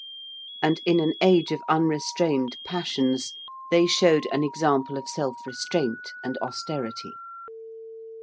And in an age of unrestrained passions they showed an example of self restraint and austerity.